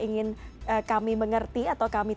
ingin kami mengerti atau kami